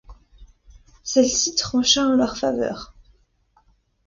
Celle-ci trancha en leur faveur.